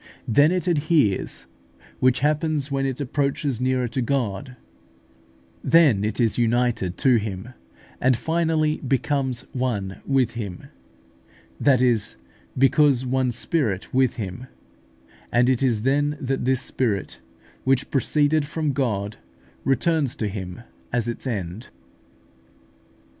Then it adheres, which happens when it approaches nearer to God; then it is united to Him, and finally becomes one with Him that is, it becomes one spirit with Him; and it is then that this spirit, which proceeded from God, returns to Him as its end.